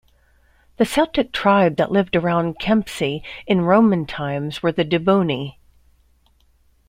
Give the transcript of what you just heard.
The Celtic tribe that lived around Kempsey in Roman times were the Dobunni.